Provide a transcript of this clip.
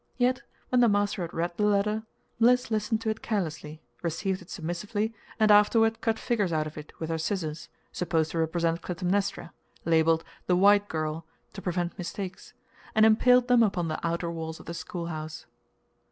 Yet, when the master had read the letter, Mliss listened to it carelessly, received it submissively, and afterward cut figures out of it with her scissors, supposed to represent Clytemnestra, labeled "the white girl," to prevent mistakes, and impaled them upon the outer walls of the schoolhouse.